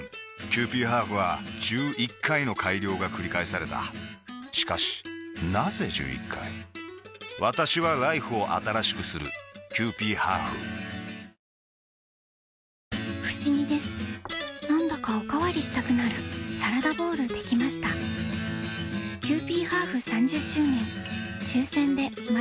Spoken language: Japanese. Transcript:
キユーピーハーフは１１回の改良がくり返されたしかしなぜ１１回私はＬＩＦＥを新しくするキユーピーハーフふしぎですなんだかおかわりしたくなるサラダボウルできましたキユーピーハーフ３０周年